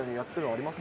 あります。